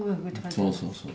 そうそうそう。